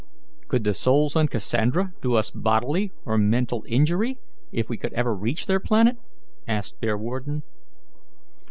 "Could the souls on Cassandra do us bodily or mental injury, if we could ever reach their planet?" asked Bearwarden.